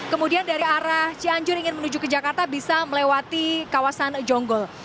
kemudian dari arah cianjur ingin menuju ke jakarta bisa melewati kawasan jonggol